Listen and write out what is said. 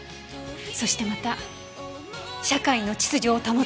そしてまた社会の秩序を保つ事。